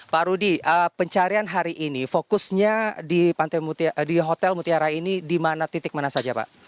pak rudy pencarian hari ini fokusnya di hotel mutiara ini di titik mana saja pak